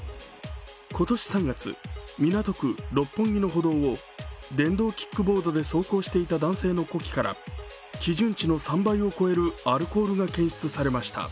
今年３月、港区六本木の歩道を電動キックボードで走行していた男性の呼気から基準値の３倍を超えるアルコールが検出されました。